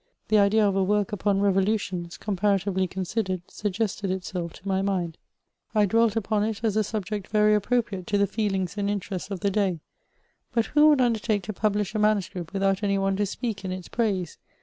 The idea of a work upon revolutions, compara tively considered, suggested itself to my mind; I dwelt upon CHATEAUBRIAND. 373 it as a subject very appropriate to the feelings and interests of the day ; but who would undertake to publish a manuscript without any one to speak in its praise?